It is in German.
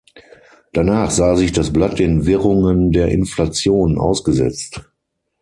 Danach sah sich das Blatt den Wirrungen der Inflation ausgesetzt.